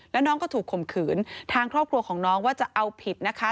แล้วน้องก็ถูกข่มขืนทางครอบครัวของน้องว่าจะเอาผิดนะคะ